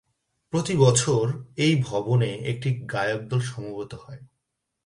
প্রতি বছর এই ভবনে একটি গায়কদল সমবেত হয়।